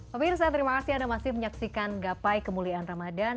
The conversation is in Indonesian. pemirsa terima kasih anda masih menyaksikan gapai kemuliaan ramadan